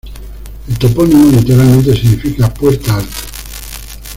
El topónimo literalmente significa "puerta alta".